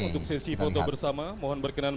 untuk sesi foto bersama mohon berkenan